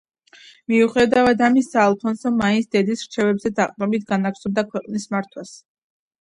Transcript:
მიუხედავად ამისა, ალფონსო მაინც დედის რჩევებზე დაყრდნობით განაგრძობდა ქვეყნის მართვას.